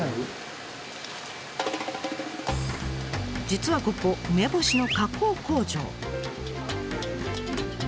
実はここ梅干しの加工工場。